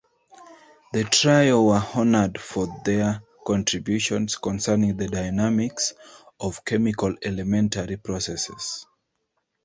The trio were honoured for their contributions concerning the dynamics of chemical elementary processes.